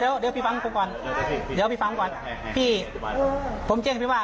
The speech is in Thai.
เดี๋ยวเดี๋ยวพี่ฟังผมก่อนเดี๋ยวพี่ฟังก่อนพี่ผมแจ้งพี่ว่า